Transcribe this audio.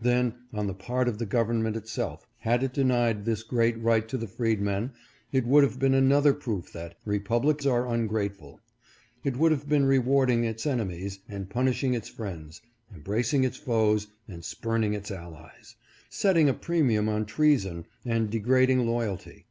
Then on the part of the government itself, had it denied this great right to the freedmen, it would have been another proof that " Republics are ungrateful." It would have been rewarding its enemies, and punishing its IT OPENS THE SCHOOL HOUSE. 465 friends — embracing its foes, and spurning its allies, — setting a premium on treason, and degrading loyalty.